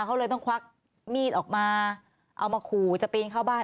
เขาเลยต้องควักมีดออกมาเอามาขู่จะปีนเข้าบ้าน